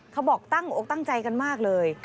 เขาบอกตั้งอกตั้งใจกันมากเลย